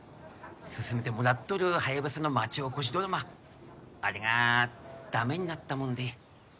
進めてもらっとるハヤブサの町おこしドラマあれが駄目になったもんで。